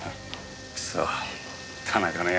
クソ田中の奴。